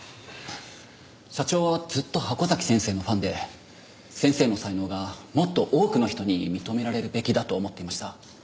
社長はずっと箱崎先生のファンで先生の才能がもっと多くの人に認められるべきだと思っていました。